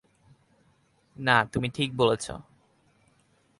না, তুমি ঠিক বলেছ।